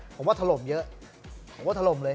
ผมว่าถล่มเยอะผมว่าถล่มเลย